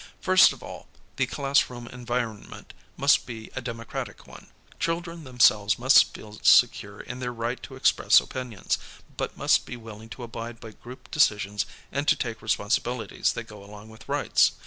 First of all. the classrooin environment must be a demo cratic one. Children themselves must feel secure in their right to express opinions, but must be willing to abide by group decisions and to take re sponsibilities that go along with rights.